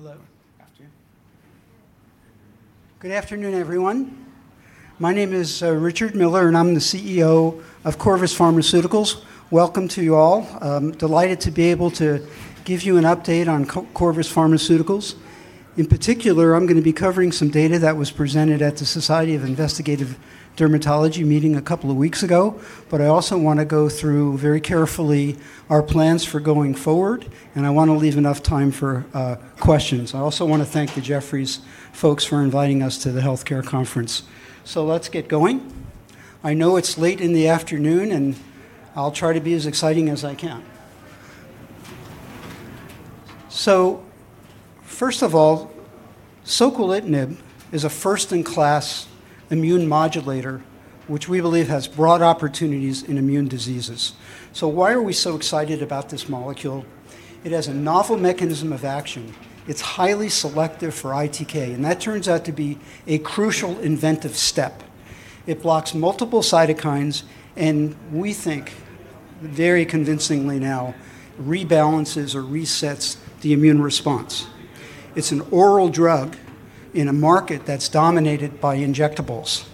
Hello. After you. Good afternoon, everyone. My name is Richard Miller, and I'm the CEO of Corvus Pharmaceuticals. Welcome to you all. I'm delighted to be able to give you an update on Corvus Pharmaceuticals. In particular, I'm going to be covering some data that was presented at the Society for Investigative Dermatology meeting a couple of weeks ago. I also want to go through, very carefully, our plans for going forward, and I want to leave enough time for questions. I also want to thank the Jefferies folks for inviting us to the healthcare conference. Let's get going. I know it's late in the afternoon, and I'll try to be as exciting as I can. First of all, soquelitinib is a first-in-class immune modulator which we believe has broad opportunities in immune diseases. Why are we so excited about this molecule? It has a novel mechanism of action. It's highly selective for ITK, and that turns out to be a crucial inventive step. It blocks multiple cytokines and, we think very convincingly now, rebalances or resets the immune response. It's an oral drug in a market that's dominated by injectables.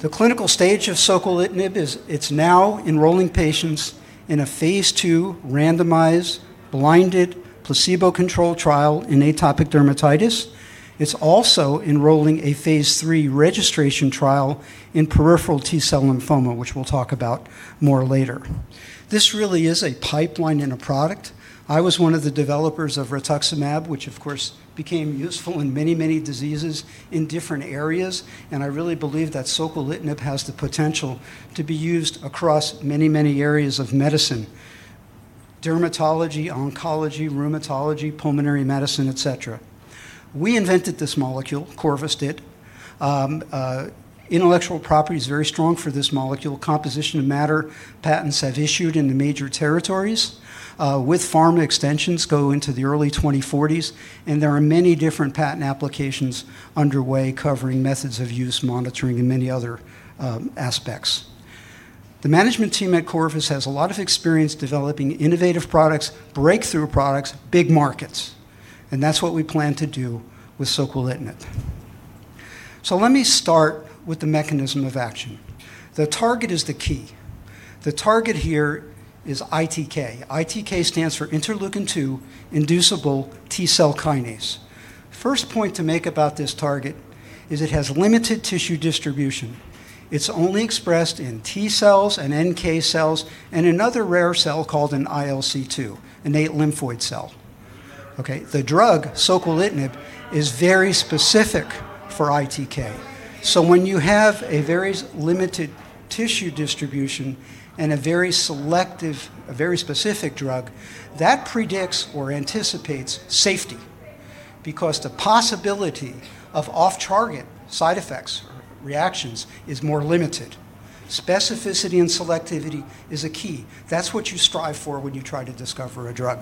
The clinical stage of soquelitinib is it's now enrolling patients in a phase II randomized, blinded, placebo-controlled trial in atopic dermatitis. It's also enrolling a phase III registration trial in peripheral T-cell lymphoma, which we'll talk about more later. This really is a pipeline and a product. I was one of the developers of rituximab, which of course became useful in many diseases in different areas, and I really believe that soquelitinib has the potential to be used across many areas of medicine. Dermatology, oncology, rheumatology, pulmonary medicine, et cetera. We invented this molecule, Corvus did. Intellectual property is very strong for this molecule. Composition of matter patents have issued in the major territories, with pharma extensions go into the early 2040s, and there are many different patent applications underway covering methods of use, monitoring, and many other aspects. The management team at Corvus has a lot of experience developing innovative products, breakthrough products, big markets, and that's what we plan to do with soquelitinib. Let me start with the mechanism of action. The target is the key. The target here is ITK. ITK stands for interleukin-2-inducible T-cell kinase. First point to make about this target is it has limited tissue distribution. It's only expressed in T cells and NK cells, and another rare cell called an ILC2, innate lymphoid cell. Okay. The drug, soquelitinib, is very specific for ITK. When you have a very limited tissue distribution and a very specific drug, that predicts or anticipates safety, because the possibility of off-target side effects or reactions is more limited. Specificity and selectivity is a key. That's what you strive for when you try to discover a drug.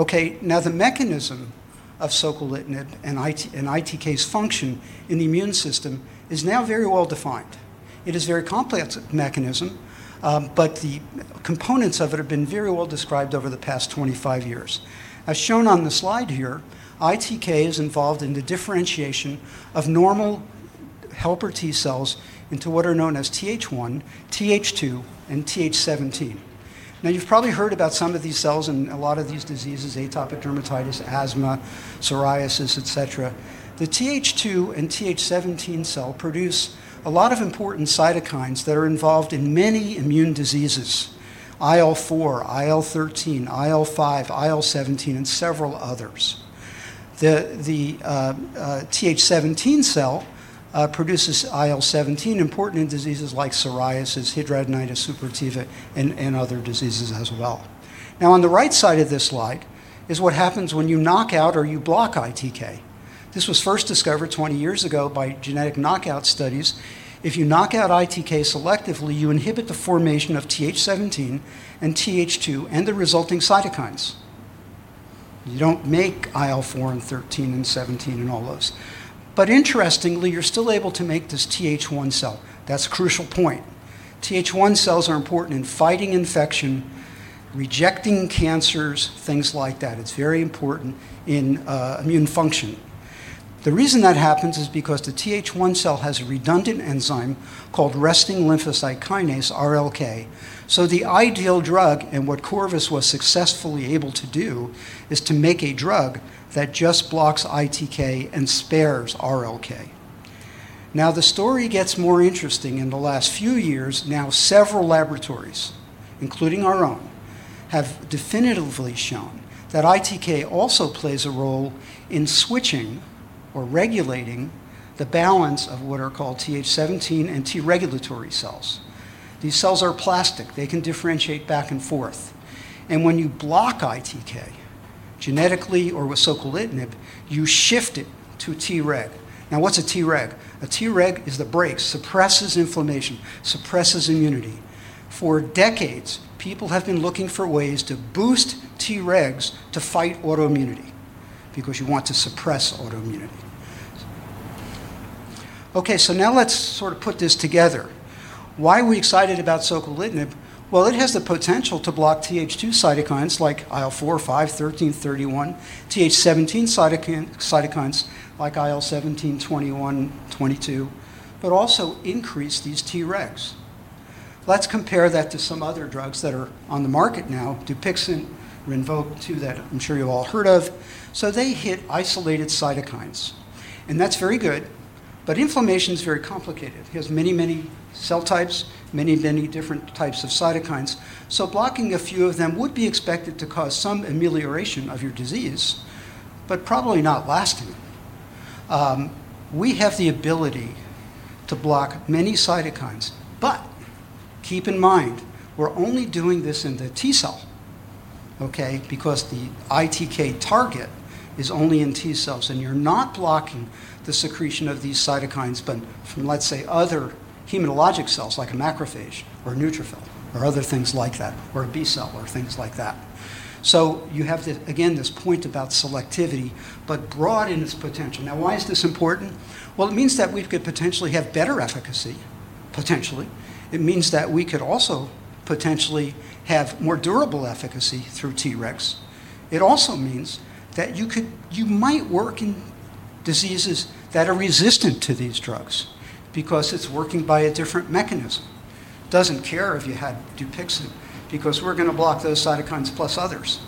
Okay. The mechanism of soquelitinib and ITK's function in the immune system is now very well defined. It is a very complex mechanism, but the components of it have been very well described over the past 25 years. As shown on the slide here, ITK is involved in the differentiation of normal helper T cells into what are known as Th1, Th2, and Th17. You've probably heard about some of these cells and a lot of these diseases, atopic dermatitis, asthma, psoriasis, et cetera. The Th2 and Th17 cell produce a lot of important cytokines that are involved in many immune diseases: IL-4, IL-13, IL-5, IL-17, and several others. The Th17 cell produces IL-17, important in diseases like psoriasis, hidradenitis suppurativa, and other diseases as well. On the right side of this slide is what happens when you knock out or you block ITK. This was first discovered 20 years ago by genetic knockout studies. If you knock out ITK selectively, you inhibit the formation of Th17 and Th2 and the resulting cytokines. You don't make IL-4 and 13 and 17 and all those. Interestingly, you're still able to make this Th1 cell. That's a crucial point. Th1 cells are important in fighting infection, rejecting cancers, things like that. It's very important in immune function. The reason that happens is because the Th1 cell has a redundant enzyme called resting lymphocyte kinase, RLK. The ideal drug, and what Corvus was successfully able to do, is to make a drug that just blocks ITK and spares RLK. The story gets more interesting. In the last few years, several laboratories, including our own, have definitively shown that ITK also plays a role in switching or regulating the balance of what are called Th17 and T regulatory cells. These cells are plastic. They can differentiate back and forth. When you block ITK, genetically or with soquelitinib, you shift it to Treg. What's a Treg? A Treg is the brake, suppresses inflammation, suppresses immunity. For decades, people have been looking for ways to boost Tregs to fight autoimmunity, because you want to suppress autoimmunity. Let's put this together. Why are we excited about soquelitinib? Well, it has the potential to block Th2 cytokines like IL-4, 5, 13, 31, Th17 cytokines like IL-17, 21, 22, but also increase these Tregs. Let's compare that to some other drugs that are on the market now, DUPIXENT, RINVOQ, two that I'm sure you've all heard of. They hit isolated cytokines, and that's very good, but inflammation is very complicated. It has many cell types, many different types of cytokines. Blocking a few of them would be expected to cause some amelioration of your disease, but probably not lasting. We have the ability to block many cytokines, but keep in mind, we're only doing this in the T-cell, okay? The ITK target is only in T cells, and you're not blocking the secretion of these cytokines, but from, let's say, other hematologic cells, like a macrophage or a neutrophil or other things like that, or a B cell or things like that. You have, again, this point about selectivity, but broad in its potential. Why is this important? Well, it means that we could potentially have better efficacy, potentially. It means that we could also potentially have more durable efficacy through Tregs. It also means that you might work in diseases that are resistant to these drugs because it's working by a different mechanism. Doesn't care if you had DUPIXENT, because we're going to block those cytokines plus others.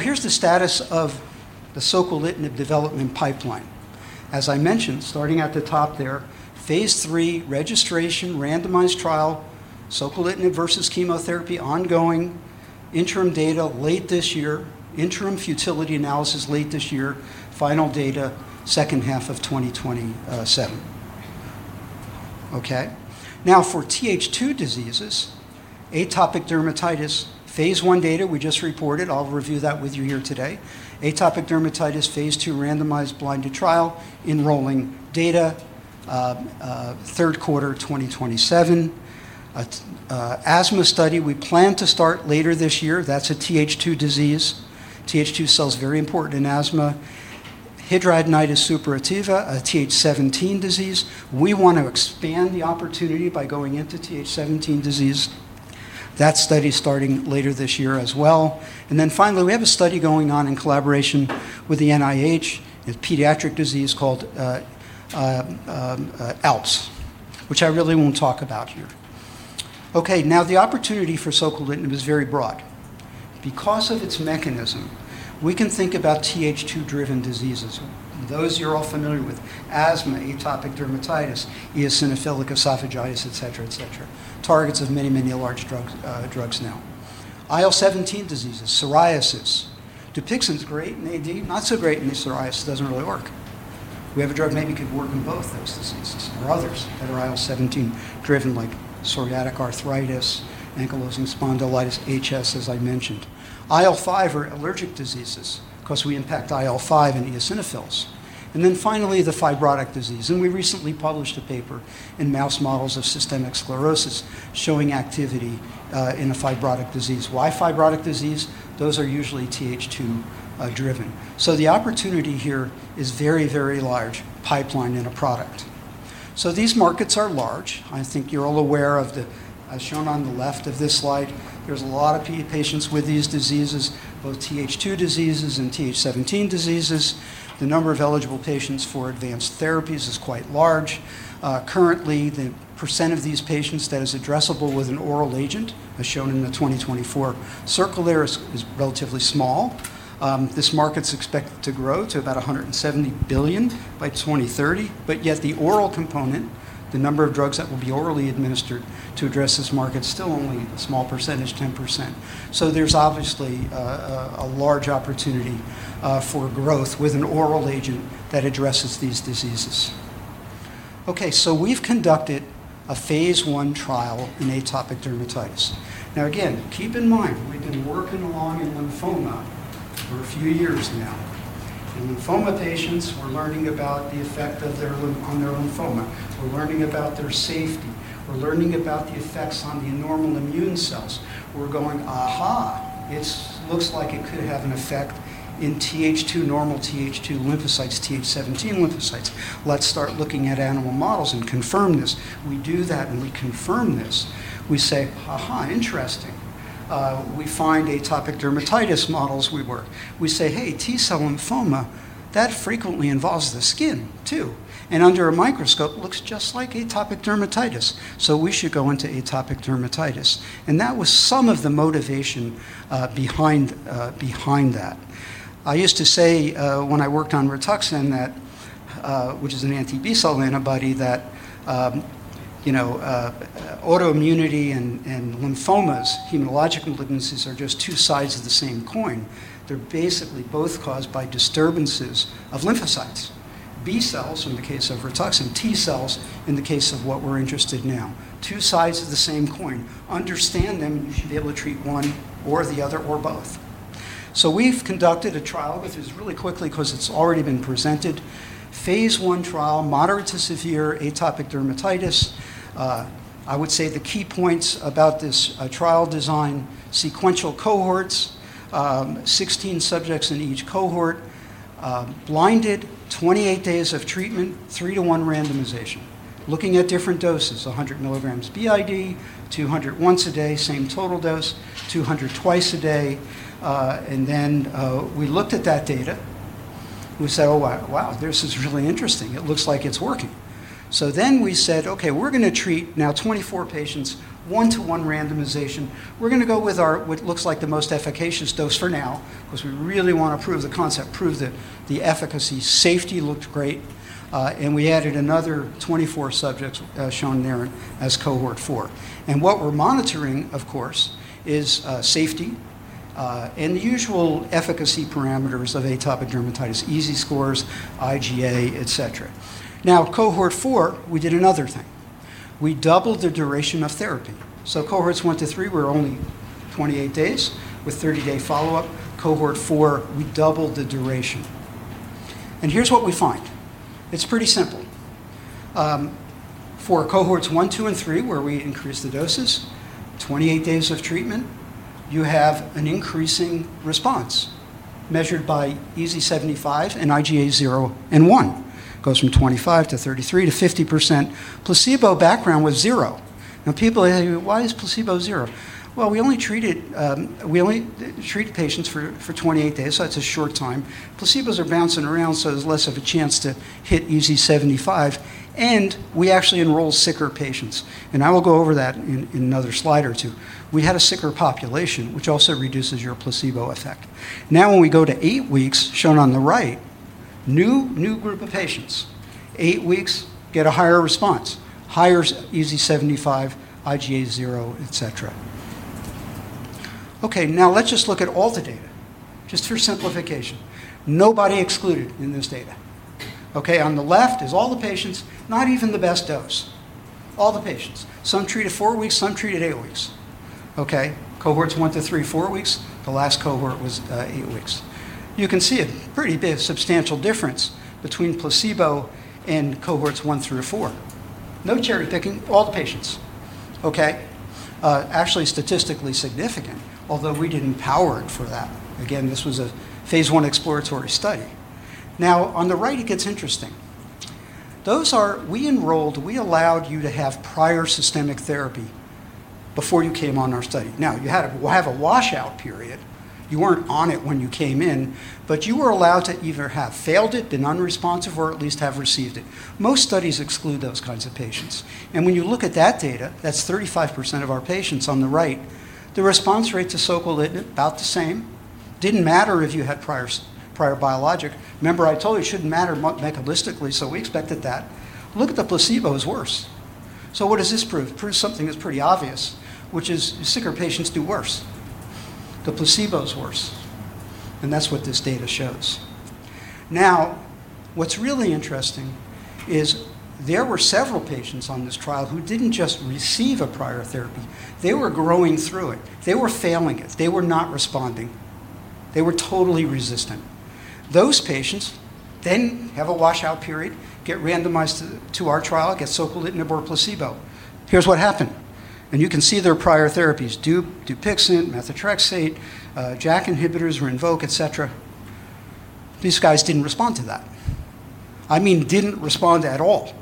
Here's the status of the soquelitinib development pipeline. As I mentioned, starting at the top there, phase III registration, randomized trial, soquelitinib versus chemotherapy ongoing, interim data late this year, interim futility analysis late this year, final data second half of 2027. Okay. For Th2 diseases, atopic dermatitis phase I data we just reported. I'll review that with you here today. Atopic dermatitis phase II randomized blinded trial enrolling data, third quarter 2027. Asthma study we plan to start later this year. That's a Th2 disease. Th2 cell is very important in asthma. hidradenitis suppurativa, a Th17 disease. We want to expand the opportunity by going into Th17 disease. That study's starting later this year as well. Finally, we have a study going on in collaboration with the NIH, a pediatric disease called ALPS, which I really won't talk about here. Okay, now the opportunity for soquelitinib is very broad. Because of its mechanism, we can think about Th2-driven diseases. Those you're all familiar with, asthma, atopic dermatitis, eosinophilic esophagitis, et cetera. Targets of many large drugs now. IL-17 diseases, psoriasis. DUPIXENT's great in AD, not so great in psoriasis. Doesn't really work. We have a drug maybe could work in both those diseases or others that are IL-17 driven, like psoriatic arthritis, ankylosing spondylitis, HS, as I mentioned. IL-5 are allergic diseases because we impact IL-5 and eosinophils. Finally, the fibrotic disease, and we recently published a paper in mouse models of systemic sclerosis showing activity in a fibrotic disease. Why fibrotic disease? Those are usually Th2 driven. The opportunity here is very large pipeline in a product. These markets are large. I think you're all aware as shown on the left of this slide, there's a lot of patients with these diseases, both Th2 diseases and Th17 diseases. The number of eligible patients for advanced therapies is quite large. Currently, the % of these patients that is addressable with an oral agent, as shown in the 2024 circle there, is relatively small. This market's expected to grow to about $170 billion by 2030. Yet the oral component, the number of drugs that will be orally administered to address this market's still only a small %, 10%. There's obviously a large opportunity for growth with an oral agent that addresses these diseases. Okay, we've conducted a phase I trial in atopic dermatitis. Now again, keep in mind we've been working along in lymphoma for a few years now. In lymphoma patients, we're learning about the effect on their lymphoma. We're learning about their safety. We're learning about the effects on the normal immune cells. We're going, it looks like it could have an effect in Th2 normal lymphocytes, Th17 lymphocytes. Let's start looking at animal models and confirm this. We do that, and we confirm this. We say, interesting. We find atopic dermatitis models we work. We say, hey, T-cell lymphoma, that frequently involves the skin, too. Under a microscope, looks just like atopic dermatitis, so we should go into atopic dermatitis. That was some of the motivation behind that. I used to say when I worked on RITUXAN, which is an anti-B-cell antibody, that autoimmunity and lymphomas, hematologic malignancies are just two sides of the same coin. They're basically both caused by disturbances of lymphocytes. B cells in the case of RITUXAN, T cells in the case of what we're interested now. Two sides of the same coin. Understand them, you should be able to treat one or the other or both. We've conducted a trial, which is really quickly because it's already been presented. Phase I trial, moderate to severe atopic dermatitis. I would say the key points about this trial design, sequential cohorts, 16 subjects in each cohort, blinded, 28 days of treatment, 3 to 1 randomization. Looking at different doses, 100 mg BID, 200 once a day, same total dose, 200 twice a day. We looked at that data. We said, "Oh, wow. This is really interesting. It looks like it's working." We said, "Okay, we're going to treat now 24 patients, 1-to-1 randomization. We're going to go with what looks like the most efficacious dose for now because we really want to prove the concept, prove the efficacy. Safety looked great. We added another 24 subjects, shown there as Cohort 4. What we're monitoring, of course, is safety and the usual efficacy parameters of atopic dermatitis, EASI scores, IGA, et cetera. Cohort 4, we did another thing. We doubled the duration of therapy. Cohorts 1 to 3 were only 28 days with 30-day follow-up. Cohort 4, we doubled the duration. Here's what we find. It's pretty simple. For Cohorts 1, 2, and 3, where we increased the doses, 28 days of treatment, you have an increasing response measured by EASI-75 and IGA zero and one. Goes from 25% to 33% to 50%. Placebo background was zero. People ask me, "Why is placebo zero?" Well, we only treated patients for 28 days, that's a short time. Placebos are bouncing around, there's less of a chance to hit EASI-75, we actually enroll sicker patients, I will go over that in another slide or two. We had a sicker population, which also reduces your placebo effect. When we go to eight weeks, shown on the right, new group of patients. Eight weeks get a higher response, higher EASI-75, IGA zero, et cetera. Okay. Let's just look at all the data, just for simplification. Nobody excluded in this data. Okay. On the left is all the patients, not even the best dose. All the patients. Some treated four weeks, some treated eight weeks. Okay. Cohorts 1 to 3, four weeks. The last cohort was eight weeks. You can see a pretty big, substantial difference between placebo and Cohorts 1 through 4. No cherry-picking, all the patients. Okay. Actually statistically significant, although we didn't power it for that. Again, this was a phase I exploratory study. On the right, it gets interesting. We allowed you to have prior systemic therapy before you came on our study. You had to have a washout period. You weren't on it when you came in, you were allowed to either have failed it, been unresponsive, or at least have received it. Most studies exclude those kinds of patients. When you look at that data, that's 35% of our patients on the right, the response rate to soquelitinib about the same. Didn't matter if you had prior biologic. Remember, I told you it shouldn't matter mechanistically, we expected that. Look at the placebos, worse. What does this prove? It proves something that's pretty obvious, which is sicker patients do worse. The placebo is worse, and that's what this data shows. What's really interesting is there were several patients on this trial who didn't just receive a prior therapy. They were growing through it. They were failing it. They were not responding. They were totally resistant. Those patients have a washout period, get randomized to our trial, get soquelitinib or placebo. Here's what happened, and you can see their prior therapies, DUPIXENT, methotrexate, JAK inhibitors, RINVOQ, et cetera. These guys didn't respond to that. I mean, didn't respond at all.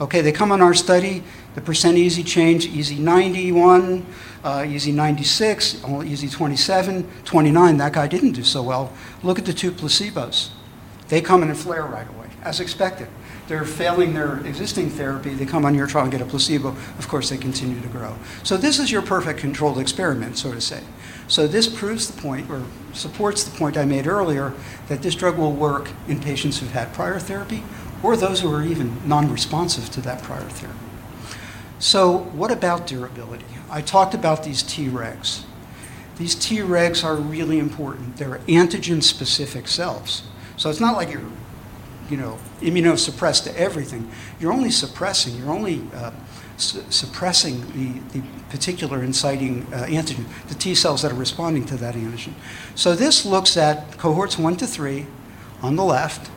Okay. They come on our study, the % EASI change, EASI 91, EASI 96, EASI 27, 29. That guy didn't do so well. Look at the two placebos. They come in a flare right away, as expected. They're failing their existing therapy. They come on your trial and get a placebo. Of course, they continue to grow. This is your perfect controlled experiment, so to say. This proves the point or supports the point I made earlier that this drug will work in patients who've had prior therapy or those who are even non-responsive to that prior therapy. What about durability? I talked about these Tregs. These Tregs are really important. They're antigen-specific cells. It's not like you're immunosuppressed to everything. You're only suppressing the particular inciting antigen, the T cells that are responding to that antigen. This looks at Cohorts 1 to 3 on the left.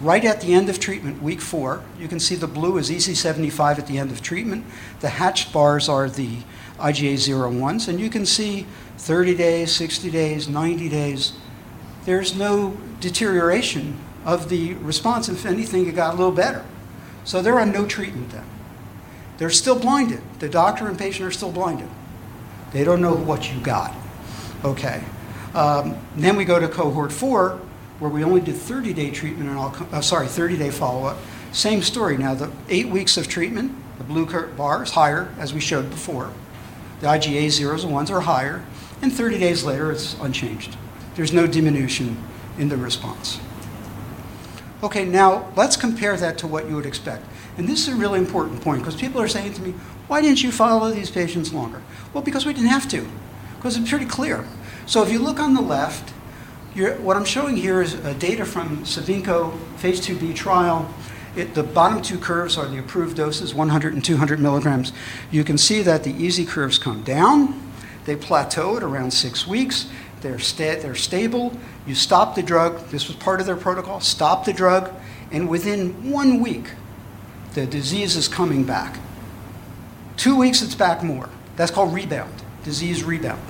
Right at the end of treatment, week 4, you can see the blue is EASI-75 at the end of treatment. The hatched bars are the IGA zeros and ones, you can see 30 days, 60 days, 90 days, there's no deterioration of the response. If anything, it got a little better. They're on no treatment then. They're still blinded. The doctor and patient are still blinded. They don't know what you got. We go to Cohort 4, where we only do 30-day follow-up. Same story. The eight weeks of treatment, the blue bar is higher, as we showed before. The IGA zeros and ones are higher, 30 days later, it's unchanged. There's no diminution in the response. Let's compare that to what you would expect. This is a really important point because people are saying to me, "Why didn't you follow these patients longer?" Well, because we didn't have to. Because it was pretty clear. If you look on the left, what I'm showing here is data from Cibinqo phase II-B trial. The bottom two curves are the approved doses, 100 and 200 mg. You can see that the EASI curves come down. They plateau at around six weeks. They're stable. You stop the drug. This was part of their protocol. Stop the drug, and within one week, the disease is coming back. Two weeks, it's back more. That's called rebound, disease rebound.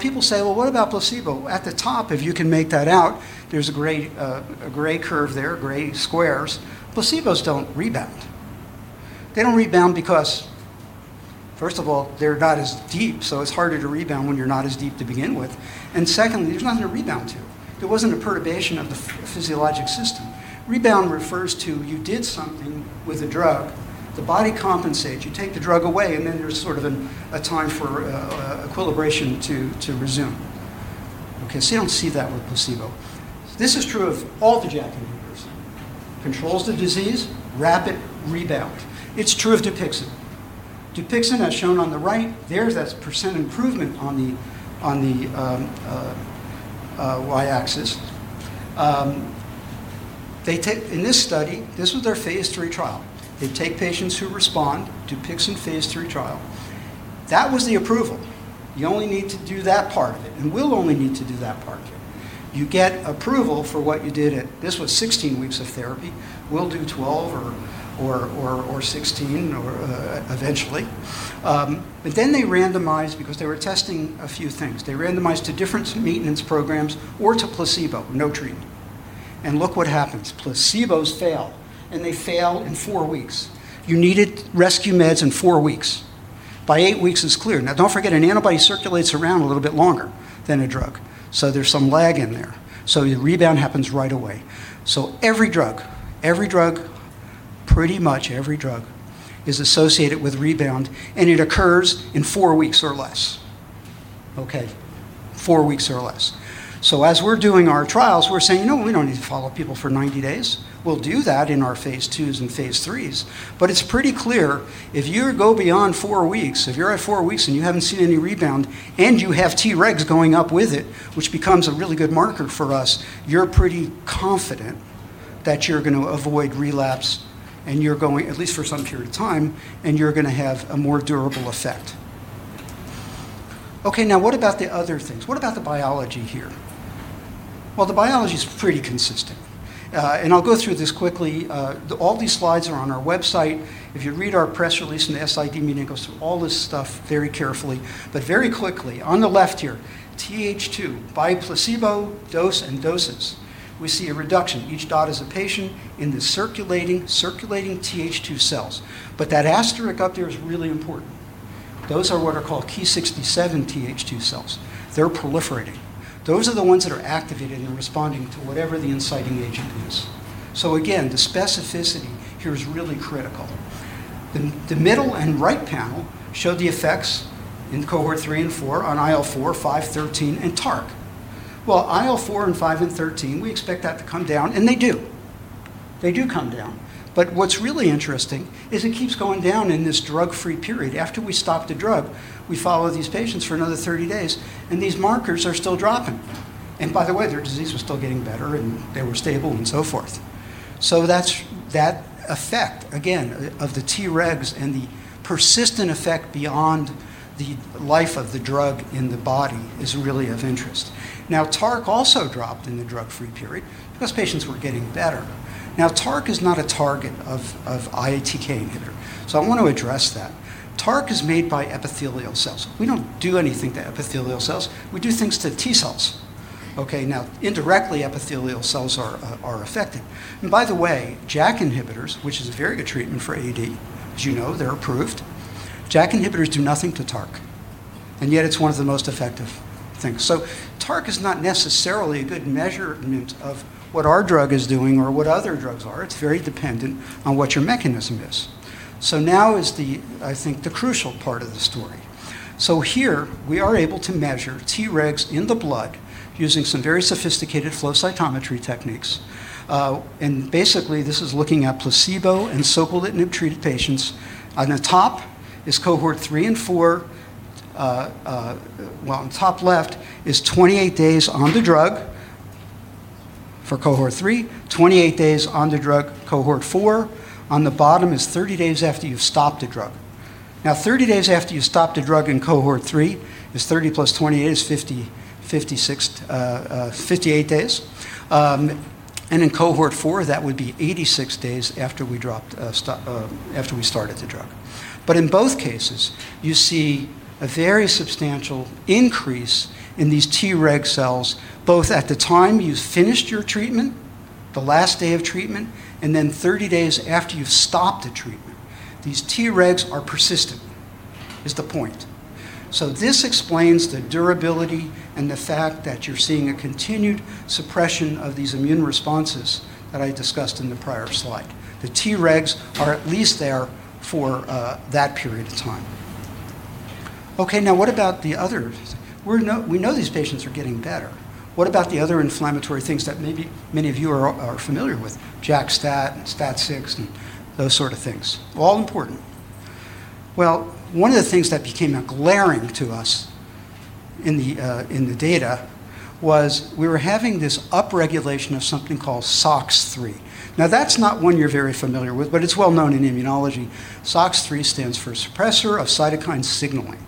People say, "Well, what about placebo?" At the top, if you can make that out, there's a gray curve there, gray squares. Placebos don't rebound. They don't rebound because first of all, they're not as deep, so it's harder to rebound when you're not as deep to begin with. Secondly, there's nothing to rebound to. There wasn't a perturbation of the physiologic system. Rebound refers to you did something with a drug. The body compensates, you take the drug away, and then there's sort of a time for equilibration to resume. Okay. You don't see that with placebo. This is true of all the JAK inhibitors. Controls the disease, rapid rebound. It's true of DUPIXENT. DUPIXENT as shown on the right, there's that % improvement on the y-axis. In this study, this was their phase III trial. They take patients who respond, DUPIXENT phase III trial. That was the approval. You only need to do that part of it, and we'll only need to do that part here. You get approval for what you did at, this was 16 weeks of therapy. We'll do 12 or 16 eventually. They randomized because they were testing a few things. They randomized to different maintenance programs or to placebo, no treatment. Look what happens. Placebos fail, and they fail in four weeks. You needed rescue meds in four weeks. By eight weeks, it's clear. Now, don't forget, an antibody circulates around a little bit longer than a drug. There's some lag in there. Your rebound happens right away. Every drug, pretty much every drug, is associated with rebound, and it occurs in four weeks or less. Okay? Four weeks or less. As we're doing our trials, we're saying, "No, we don't need to follow people for 90 days." We'll do that in our phase II and phase III. It's pretty clear if you go beyond four weeks, if you're at four weeks and you haven't seen any rebound, and you have Tregs going up with it, which becomes a really good marker for us, you're pretty confident that you're going to avoid relapse, at least for some period of time, and you're going to have a more durable effect. Okay, now what about the other things? What about the biology here? Well, the biology is pretty consistent. I'll go through this quickly. All these slides are on our website. If you read our press release in the SID meeting, it goes through all this stuff very carefully. Very quickly, on the left here, Th2 by placebo dose and doses, we see a reduction. Each dot is a patient in the circulating Th2 cells. That asterisk up there is really important. Those are what are called Ki-67 Th2 cells. They're proliferating. Those are the ones that are activated and responding to whatever the inciting agent is. Again, the specificity here is really critical. The middle and right panel show the effects in cohort 3 and 4 on IL-4, 5, 13, and TARC. IL-4 and 5 and 13, we expect that to come down, and they do. They do come down. What's really interesting is it keeps going down in this drug-free period. After we stop the drug, we follow these patients for another 30 days, and these markers are still dropping. By the way, their disease was still getting better, and they were stable, and so forth. That effect, again, of the Tregs and the persistent effect beyond the life of the drug in the body is really of interest. TARC also dropped in the drug-free period because patients were getting better. TARC is not a target of ITK inhibitor. I want to address that. TARC is made by epithelial cells. We don't do anything to epithelial cells. We do things to T cells. Okay? Indirectly, epithelial cells are affected. By the way, JAK inhibitors, which is a very good treatment for AD, as you know, they're approved. JAK inhibitors do nothing to TARC, yet it's one of the most effective things. TARC is not necessarily a good measurement of what our drug is doing or what other drugs are. It's very dependent on what your mechanism is. Now is, I think, the crucial part of the story. Here we are able to measure Tregs in the blood using some very sophisticated flow cytometry techniques. Basically, this is looking at placebo and soquelitinib-treated patients. On the top is cohort 3 and 4. On top left is 28 days on the drug for cohort 3, 28 days on the drug, cohort 4. On the bottom is 30 days after you've stopped the drug. 30 days after you stopped the drug in cohort 3 is 30 plus 28 is 58 days. In cohort 4, that would be 86 days after we started the drug. In both cases, you see a very substantial increase in these Treg cells, both at the time you finished your treatment, the last day of treatment, and then 30 days after you've stopped the treatment. These Tregs are persistent, is the point. This explains the durability and the fact that you're seeing a continued suppression of these immune responses that I discussed in the prior slide. The Tregs are at least there for that period of time. What about the others? We know these patients are getting better. What about the other inflammatory things that maybe many of you are familiar with, JAK-STAT, STAT6, and those sort of things? All are important. Well, one of the things that became glaring to us in the data was we were having this upregulation of something called SOCS3. That's not one you're very familiar with, but it's well-known in immunology. SOCS3 stands for suppressor of cytokine signaling.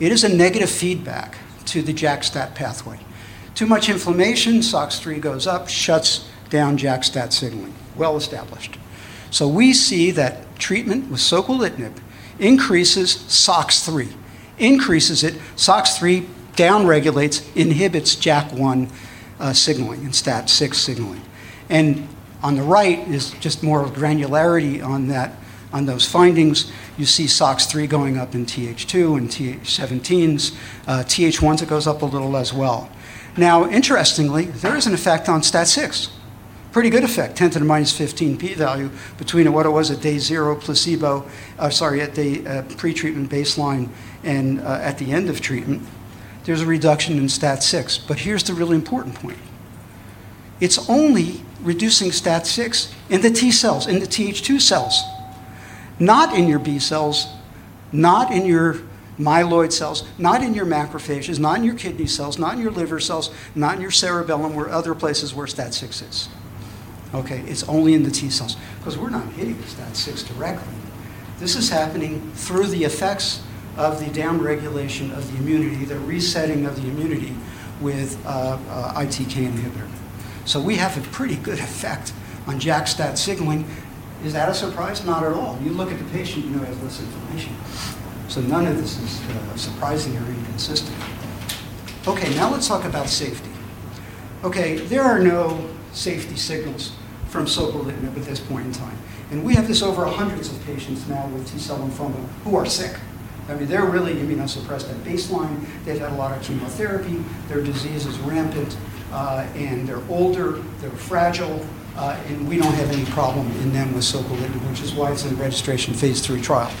It is a negative feedback to the JAK-STAT pathway. Too much inflammation, SOCS3 goes up, shuts down JAK-STAT signaling. This is well-established. We see that treatment with soquelitinib increases SOCS3. Increases it, SOCS3 down-regulates, inhibits JAK1 signaling and STAT6 signaling. On the right is just more granularity on those findings. You see SOCS3 going up in Th2 and Th17s, Th1s it goes up a little as well. Interestingly, there is an effect on STAT6. Pretty good effect, 10 to the minus 15 P value between what it was at day zero, Sorry, at the pre-treatment baseline and at the end of treatment, there's a reduction in STAT6. Here's the really important point. It's only reducing STAT6 in the T cells, in the Th2 cells, not in your B cells, not in your myeloid cells, not in your macrophages, not in your kidney cells, not in your liver cells, not in your cerebellum or other places where STAT6 is. Okay? It's only in the T cells, because we're not hitting the STAT6 directly. This is happening through the effects of the downregulation of the immunity, the resetting of the immunity with ITK inhibitor. We have a pretty good effect on JAK-STAT signaling. Is that a surprise? Not at all. You look at the patient, you know he has less inflammation. None of this is surprising or inconsistent. Now let's talk about safety. There are no safety signals from soquelitinib at this point in time, and we have this over hundreds of patients now with T-cell lymphoma who are sick. They're really immunosuppressed at baseline. They've had a lot of chemotherapy. Their disease is rampant, and they're older, they're fragile, and we don't have any problem in them with soquelitinib, which is why it's in registration phase III trial.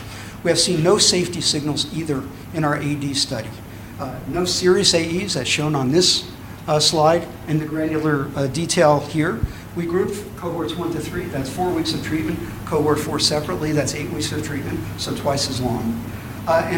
We have seen no safety signals either in our AD study. No serious AEs as shown on this slide in the granular detail here. We group cohorts 1 to 3, that's four weeks of treatment, cohort 4 separately, that's eight weeks of treatment, twice as long.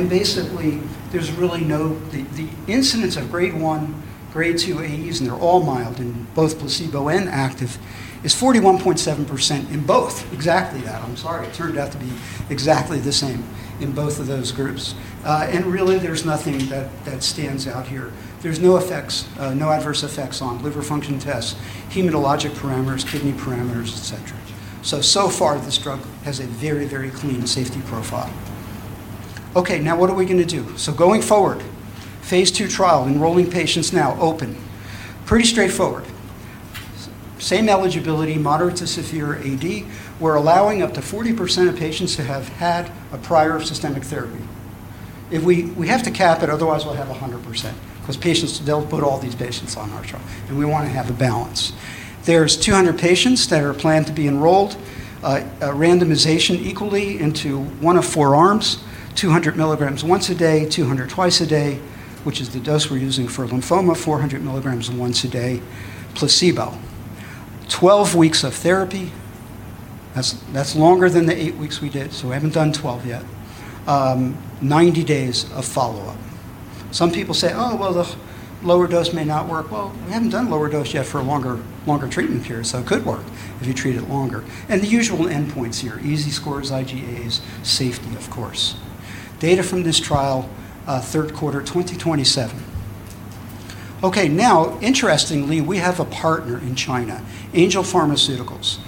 Basically, the incidence of Grade 1, Grade 2 AEs, and they're all mild in both placebo and active, is 41.7% in both. Exactly that. I'm sorry. It turned out to be exactly the same in both of those groups. Really, there's nothing that stands out here. There's no adverse effects on liver function tests, hematologic parameters, kidney parameters, et cetera. So far this drug has a very, very clean safety profile. Okay, now what are we going to do? Going forward, phase II trial, enrolling patients now, open. Pretty straightforward. Same eligibility, moderate to severe AD. We're allowing up to 40% of patients to have had a prior systemic therapy. We have to cap it, otherwise we'll have 100% because they'll put all these patients on our trial, and we want to have a balance. There's 200 patients that are planned to be enrolled, randomization equally into one of four arms, 200 mg once a day, 200 twice a day, which is the dose we're using for lymphoma, 400 mg once a day, placebo. 12 weeks of therapy. That's longer than the eight weeks we did, so we haven't done 12 yet. 90 days of follow-up. Some people say, "Oh, well, the lower dose may not work." Well, we haven't done lower dose yet for a longer treatment period, so it could work if you treat it longer. The usual endpoints here, EASI scores, IGAs, safety, of course. Data from this trial, third quarter 2027. Okay, now interestingly, we have a partner in China, Angel Pharmaceuticals.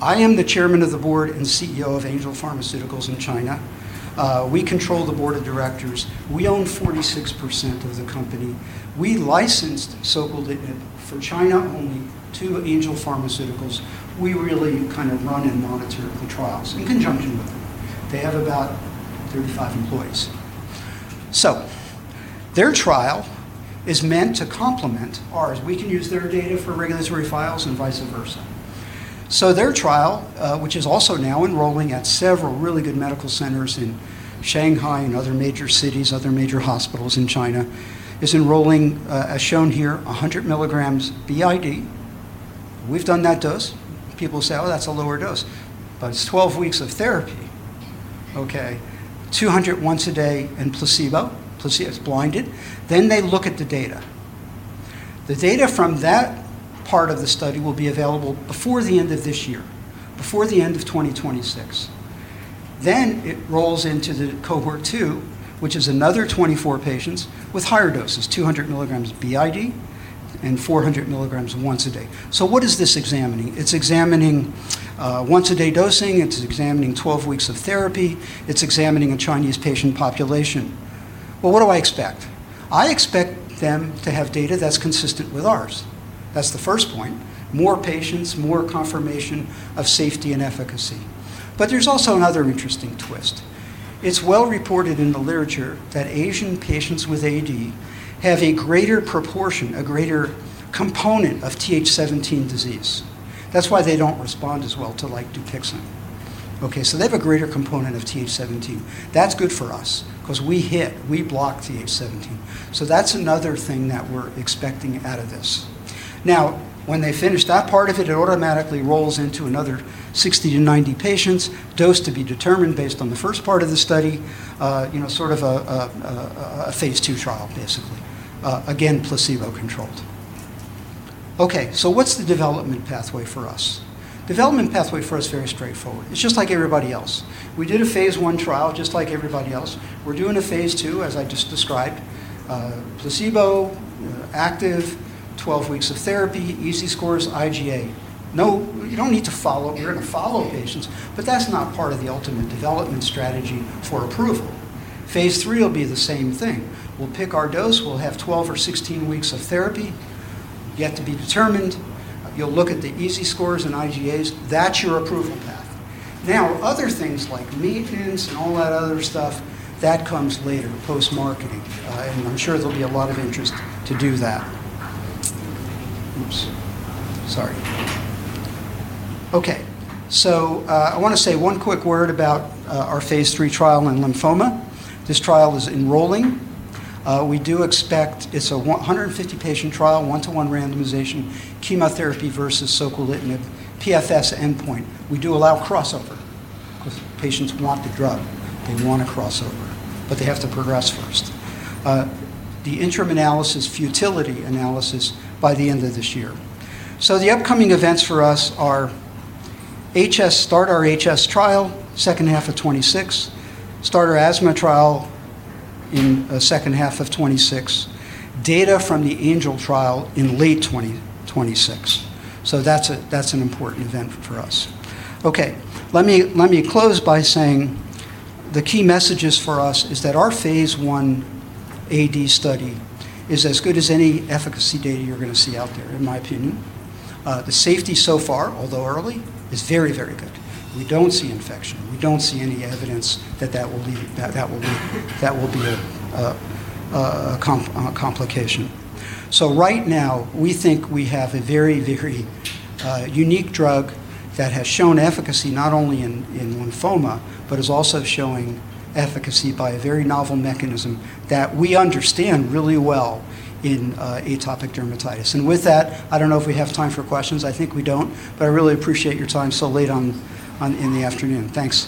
I am the chairman of the board and CEO of Angel Pharmaceuticals in China. We control the board of directors. We own 46% of the company. We licensed soquelitinib for China only to Angel Pharmaceuticals. We really run and monitor the trials in conjunction with them. They have about 35 employees. Their trial is meant to complement ours. We can use their data for regulatory files and vice versa. Their trial, which is also now enrolling at several really good medical centers in Shanghai and other major cities, other major hospitals in China, is enrolling, as shown here, 100 mg BID. We've done that dose. People say, "Oh, that's a lower dose," but it's 12 weeks of therapy. Okay, 200 once a day and placebo. Placebo is blinded. They look at the data. The data from that part of the study will be available before the end of this year, before the end of 2026. It rolls into the cohort 2, which is another 24 patients with higher doses, 200 milligrams BID and 400 milligrams once a day. What is this examining? It's examining once-a-day dosing. It's examining 12 weeks of therapy. It's examining a Chinese patient population. Well, what do I expect? I expect them to have data that's consistent with ours. That's the first point. More patients, more confirmation of safety and efficacy. There's also another interesting twist. It's well reported in the literature that Asian patients with AD have a greater proportion, a greater component of TH17 disease. That's why they don't respond as well to DUPIXENT. Okay, they have a greater component of TH17. That's good for us because we block TH17. That's another thing that we're expecting out of this. When they finish that part of it automatically rolls into another 60 to 90 patients, dose to be determined based on the first part of the study, sort of a phase II trial, basically. Placebo-controlled. What's the development pathway for us? Development pathway for us, very straightforward. It's just like everybody else. We did a phase I trial just like everybody else. We're doing a phase II, as I just described. Placebo, active, 12 weeks of therapy, EASI scores, IGA. You don't need to follow patients, that's not part of the ultimate development strategy for approval. Phase III will be the same thing. We'll pick our dose, we'll have 12 or 16 weeks of therapy, yet to be determined. You'll look at the EASI scores and IGAs. That's your approval path. Other things like maintenance and all that other stuff, that comes later, post-marketing. I'm sure there'll be a lot of interest to do that. Oops, sorry. Okay. I want to say one quick word about our phase III trial in lymphoma. This trial is enrolling. It's a 150-patient trial, one-to-one randomization, chemotherapy versus soquelitinib, PFS endpoint. We do allow crossover because patients want the drug. They want to cross over, but they have to progress first. The interim analysis, futility analysis by the end of this year. The upcoming events for us are start our HS trial second half of 2026, start our asthma trial in second half of 2026, data from the Angel trial in late 2026. That's an important event for us. Okay. Let me close by saying the key messages for us is that our phase I AD study is as good as any efficacy data you're going to see out there, in my opinion. The safety so far, although early, is very good. We don't see infection. We don't see any evidence that will be a complication. Right now we think we have a very unique drug that has shown efficacy not only in lymphoma, but is also showing efficacy by a very novel mechanism that we understand really well in atopic dermatitis. With that, I don't know if we have time for questions. I think we don't, but I really appreciate your time so late in the afternoon. Thanks.